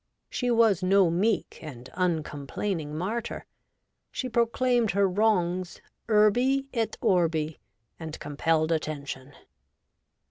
She was no meek and uncomplaining martyr : she proclaimed her wrongs urbi et orbi, and compelled attention.